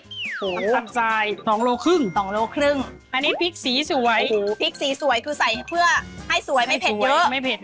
ผักทราย๒โลครึ่ง๒โลครึ่งอันนี้พริกสีสวยพริกสีสวยคือใส่เพื่อให้สวยไม่เผ็ดเยอะไม่เผ็ด